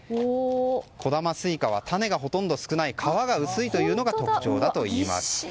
小玉スイカは種がほとんど少ない皮が薄いのが特徴だといいます。